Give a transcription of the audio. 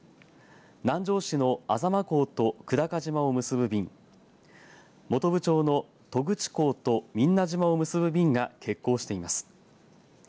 南城市の安座間港と久高島を結ぶ便本部町の渡久地港と水納島を結ぶ便が欠航しています。